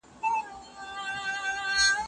که استاد ستا نظر رد کړي نو څه کوې؟